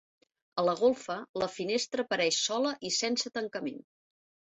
A la golfa, la finestra apareix sola i sense tancament.